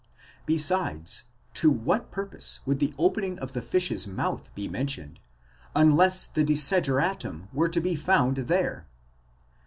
%° Besides, to what purpose would the opening of the fish's mouth be mentioned, unless the desideratum were to be found there?